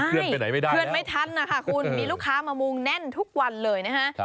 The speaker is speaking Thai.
เคลื่อนไปไหนไม่ทันนะคะคุณมีลูกค้ามะมุงแน่นทุกวันเลยนะฮะ